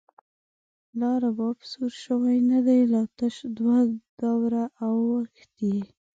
لا رباب سور شوی نه دی، لا تش دوه دوره او ښتی